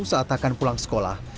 saat akan pulang sekolah